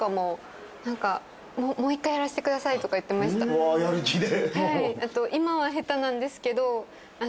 うわやる気で。